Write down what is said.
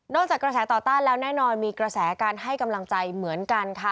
จากกระแสต่อต้านแล้วแน่นอนมีกระแสการให้กำลังใจเหมือนกันค่ะ